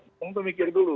ngomong itu mikir dulu